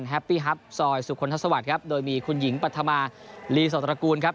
แฮปปี้ฮับซอยสุขนทัศน์สวัสดีครับโดยมีคุณหญิงปัฒนาลีสวรรคูณครับ